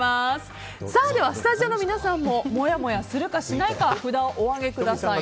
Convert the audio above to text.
では、スタジオの皆さんももやもやするか、しないか札をお上げください。